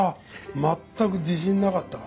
全く自信なかったから。